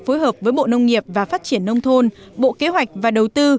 phối hợp với bộ nông nghiệp và phát triển nông thôn bộ kế hoạch và đầu tư